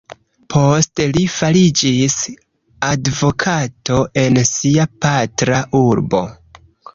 Poste li fariĝis advokato en sia patra urbo.